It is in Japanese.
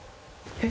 えっ？